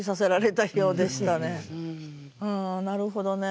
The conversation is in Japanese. ああなるほどね。